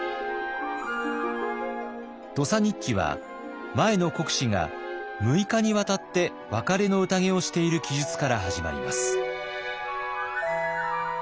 「土佐日記」は前の国司が６日にわたって別れの宴をしている記述から始まります。